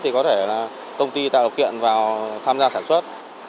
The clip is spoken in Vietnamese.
thì có thể là công ty tạo điều kiện vào tham gia sản xuất